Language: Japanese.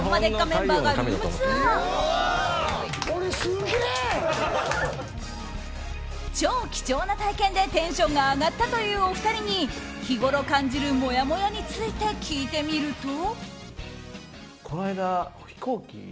メンバーが超貴重な体験でテンションが上がったというお二人に日ごろ感じるもやもやについて聞いてみると。